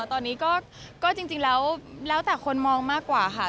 ตอนนี้ก็จริงแล้วแล้วแต่คนมองมากกว่าค่ะ